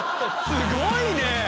すごいね！